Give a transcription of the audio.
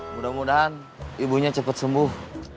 mudah mudahan ibunya cepat sembuh